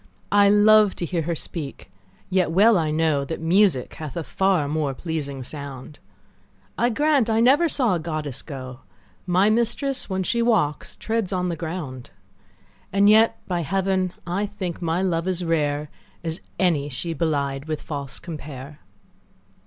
I love to hear her speak, yet well I know That music hath a far more pleasing sound: I grant I never saw a goddess go; My mistress, when she walks, treads on the ground: And yet by heaven, I think my love as rare, As any she belied with false compare.